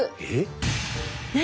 何？